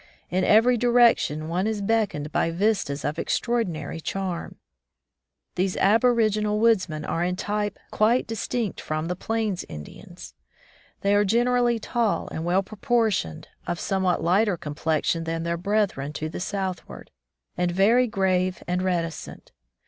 In every direction one is beckoned by vistas of extraordinary charm. These aboriginal woodsmen are in type 17S From the Deep Woods to Civilization quite distinct from the Plains Indians. They are generally tall and well propor tioned, of somewhat lighter complexion than their brethren to the southward, and very grave and reticent.